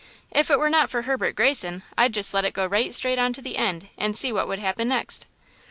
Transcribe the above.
If it were not for Herbert Greyson, I'd just let it go right straight on to the end and see what would happen next!"